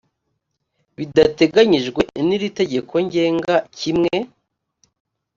bidateganyijwe n iri tegeko ngenga kimwe